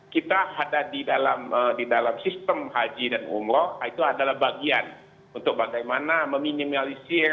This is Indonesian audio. kita ada di dalam sistem haji dan umroh itu adalah bagian untuk bagaimana meminimalisir